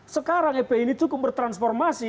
sekarang fpi ini cukup bertransformasi